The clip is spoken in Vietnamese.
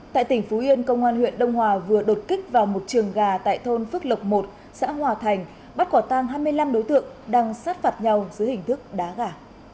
tại tỉnh phú yên công an huyện đông hòa vừa đột kích vào một trường gà tại thôn phước lộc một xã hòa thành bắt quả tang hai mươi năm đối tượng đang sát phạt nhau dưới hình thức đá gà